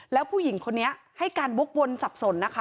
แล้วผู้หญิงคนนี้ให้การวกวนสับสนนะคะ